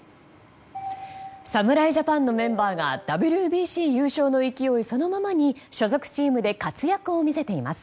侍ジャパンのメンバーがＷＢＣ優勝の勢いそのままに所属チームで活躍を見せています。